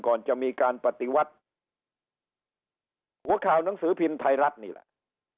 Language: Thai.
ก่อนจะมีการปฏิวัติหัวข่าวหนังสือพิมพ์ไทยรัฐนี่แหละ